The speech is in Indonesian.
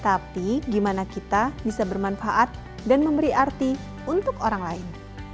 tapi gimana kita bisa bermanfaat dan memberi arti untuk orang lain